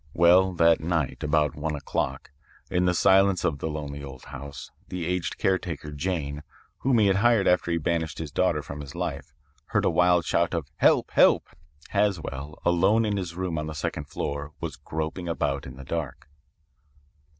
"Well, that night, about one o'clock, in the silence of the lonely old house, the aged caretaker, Jane, whom he had hired after he banished his daughter from his life, heard a wild shout of 'Help! Help!' Haswell, alone in his room on the second floor, was groping about in the dark.